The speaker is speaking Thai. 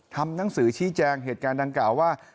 ทำหนังสือชี้แจงเหตุการณ์ดังกล่าวว่า